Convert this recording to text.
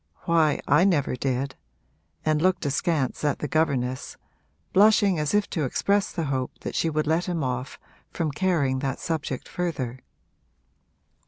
Why, I never did,' and looked askance at the governess, blushing as if to express the hope that she would let him off from carrying that subject further.